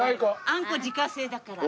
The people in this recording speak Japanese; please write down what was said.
あんこ自家製だから。